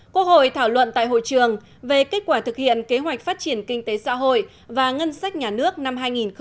quốc hội thảo luận tại hội trường về kết quả thực hiện kế hoạch phát triển kinh tế xã hội và ngân sách nhà nước năm hai nghìn một mươi tám